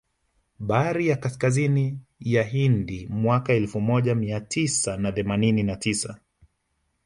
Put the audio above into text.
Bahari ya Kaskazini ya Hindi mwaka elfu moja mia tisa na themanini na tisa